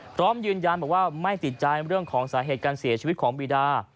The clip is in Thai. พร้อมยืนยันบอกว่าไม่ติดใจเรื่องของสาเหตุการเสียชีวิตของบีดา